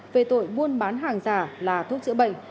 về tội buôn bán hàng giả là thuốc chữa bệnh